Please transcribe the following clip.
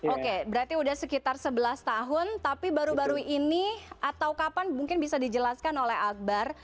oke berarti sudah sekitar sebelas tahun tapi baru baru ini atau kapan mungkin bisa dijelaskan oleh akbar